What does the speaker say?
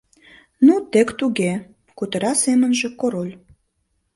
«Ну тек туге, — кутыра семынже Король.